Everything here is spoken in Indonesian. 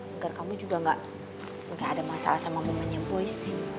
agar kamu juga gak ada masalah sama momennya boy sih